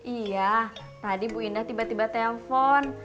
iya tadi bu indah tiba tiba telpon